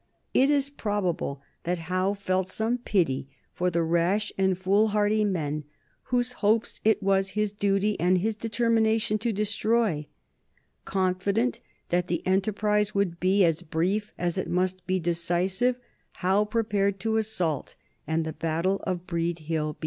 It is probable that Howe felt some pity for the rash and foolhardy men whose hopes it was his duty and his determination to destroy. Confident that the enterprise would be as brief as it must be decisive, Howe prepared to assault, and the battle of Breed Hill began.